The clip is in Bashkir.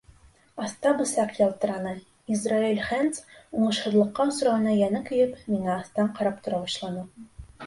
Аҫта бысаҡ ялтыраны, Израэль Хэндс, уңышһыҙлыҡҡа осрауына йәне көйөп, миңә аҫтан ҡарап тора башланы.